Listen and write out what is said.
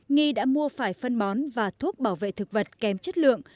nghi đã mua phải phân bón và thuốc bảo vệ thực vật kém chất lượng